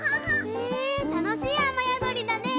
へぇたのしいあまやどりだね！